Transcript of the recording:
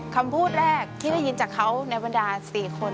คำพูดแรกที่ได้ยินจากเขาในบรรดา๔คน